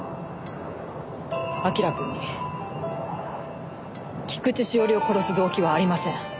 明君に菊地詩織を殺す動機はありません。